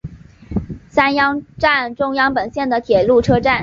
三鹰站中央本线的铁路车站。